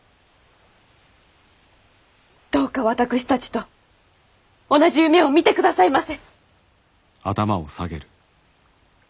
どうか私たちと同じ夢を見てくださいませ。